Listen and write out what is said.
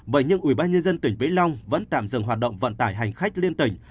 vậy nhưng ubnd tỉnh vĩnh long vẫn tạm dừng hoạt động vận tải hành khách liên tỉnh